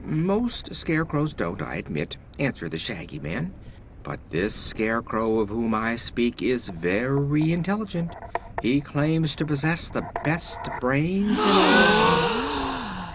"Most scarecrows don't, I admit," answered the Shaggy Man. "But this Scarecrow of whom I speak is very intelligent. He claims to possess the best brains in all Oz."